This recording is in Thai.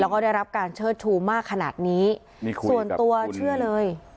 แล้วก็ได้รับการเชิดชูมากขนาดนี้ส่วนตัวเชื่อเลย